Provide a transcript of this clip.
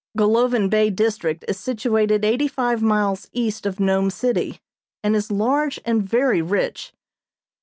Golovin Bay District is situated eighty five miles east of Nome City, and is large and very rich.